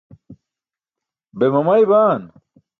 be mamay baan?